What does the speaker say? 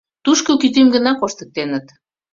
Тушко кӱтӱм гына коштыктеныт.